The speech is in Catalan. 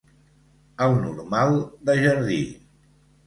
El normal de jardí.